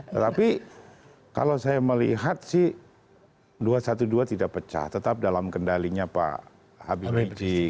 tetapi kalau saya melihat sih dua ratus dua belas tidak pecah tetap dalam kendalinya pak habib rizik